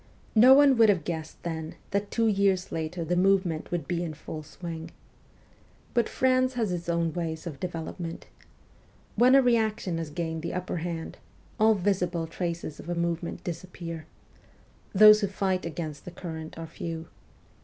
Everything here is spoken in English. No one would have guessed then that two years later the movement would be in full swing. But France has its own ways of development. When a reaction has gained the upper hand, all visible traces of a movement disappear. Those who fight against the current are few.